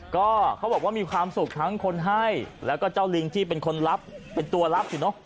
ก็เขาบอกว่ามีความสุขทั้งคนให้แล้วก็เจ้าลิงที่เป็นคนรับเป็นตัวลับสิเนอะ